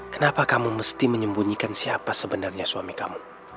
kenapa kamu mesti menyembunyikan siapa sebenarnya suami kamu